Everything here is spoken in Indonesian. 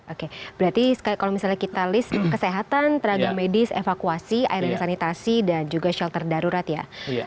oke berarti kalau misalnya kita list kesehatan tenaga medis evakuasi air dan sanitasi dan juga shelter darurat ya